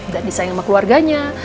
dan disayang sama keluarganya